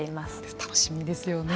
楽しみですよね。